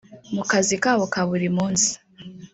mu kazi kabo ka buri munsi